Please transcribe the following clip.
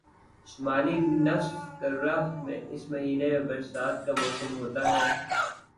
شمالی نصف کرہ میں اس مہینے میں برسات کا موسم ہوتا ہے